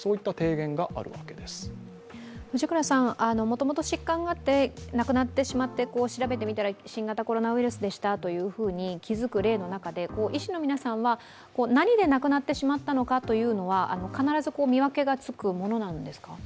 もともと疾患があって亡くなってしまって、調べてみたら新型コロナウイルスでしたと気づく例の中で医師の皆さんは何で亡くなってしまったのかというのは必ず見分けがつくものなんですか。